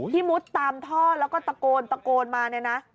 ที่มุดตามท่อแล้วก็ตะโกนมาเนี่ยนะ